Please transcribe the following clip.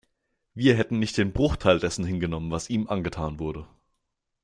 Wir hätten nicht den Bruchteil dessen hingenommen, was ihm angetan wurde.